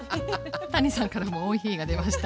谷さんからも「おいひー」が出ました。